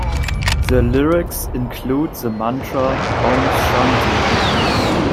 The lyrics include the mantra Om shanti.